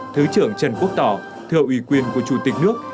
thứ trưởng trần quốc tỏ thưa ủy quyền của chủ tịch nước